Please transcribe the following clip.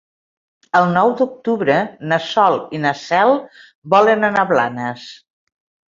El nou d'octubre na Sol i na Cel volen anar a Blanes.